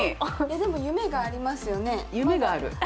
でも夢がありますよね。